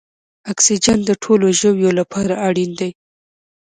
اکسیجن د ټولو ژویو لپاره اړین دی